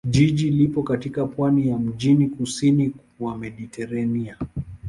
Jiji lipo katika pwani ya mjini kusini mwa Mediteranea.